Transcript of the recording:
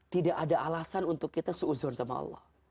tidak ada alasan untuk kita seuzon sama allah